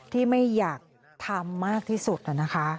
ที่ไม่อยากทำมากที่สุดนะคะ